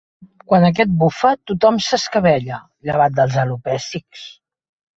Quan aquest bufa tothom s'escabella llevat dels alopècics.